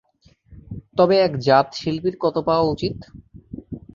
তবে এক জাত শিল্পীর কত পাওয়া উচিত?